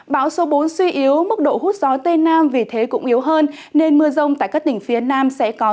báo số bốn suy yếu mức độ hút gió tây nam vì thế cũng yếu hơn nên mưa rông tại các tỉnh phía nam sẽ khá năng lượng